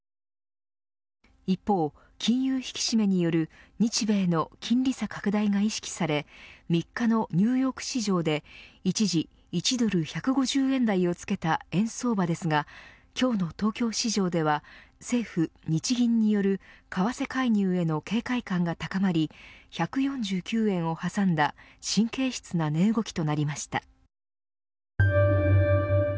一方、金融引き締めによる日米の金利差拡大が意識され３日のニューヨーク市場で一時１ドル＝１５０円台をつけた円相場ですが今日の東京市場では政府・日銀による為替介入への警戒感が高まり１４９円を挟んだ神経質な値動きとなりました。